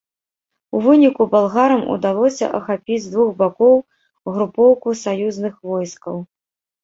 У выніку балгарам ўдалося ахапіць з двух бакоў групоўку саюзных войскаў.